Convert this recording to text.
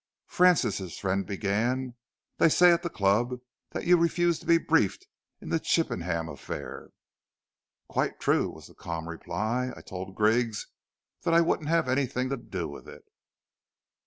"Francis," his friend began, "they say at the club that you refused to be briefed in the Chippenham affair." "Quite true," was the calm reply. "I told Griggs that I wouldn't have anything to do with it."